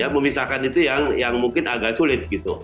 memisahkan itu yang mungkin agak sulit gitu